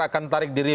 akan tarik diri